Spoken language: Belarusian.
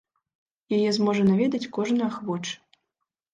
Яе зможа наведаць кожны ахвочы.